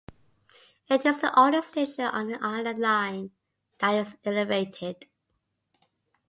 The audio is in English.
It is the only station on the Island Line that is elevated.